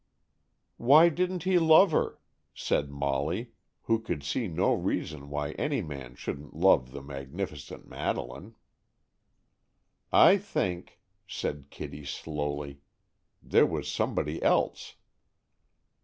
"Why didn't he love her?" said Molly, who could see no reason why any man shouldn't love the magnificent Madeleine. "I think," said Kitty slowly, "there was somebody else."